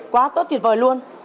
quá tốt tuyệt vời luôn